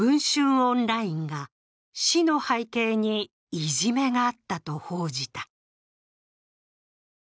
オンラインが死の背景にいじめがあったと報じた。